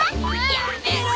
やめろ！